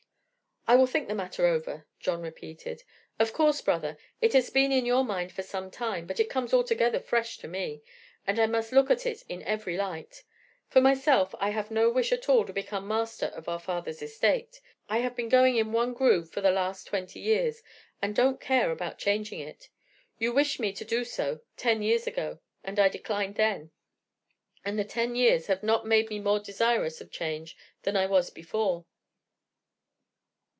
"I will think the matter over," John repeated. "Of course, brother, it has been in your mind for some time, but it comes altogether fresh to me, and I must look at it in every light. For myself, I have no wish at all to become master of our father's estate. I have been going in one groove for the last twenty years, and don't care about changing it. You wished me to do so ten years ago, and I declined then, and the ten years have not made me more desirous of change than I was before."